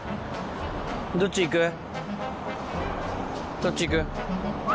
どっち行く？